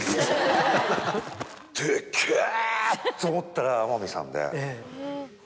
でっけぇ！と思ったら天海さんで。